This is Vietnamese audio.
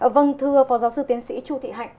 vâng thưa phó giáo sư tiến sĩ chu thị hạnh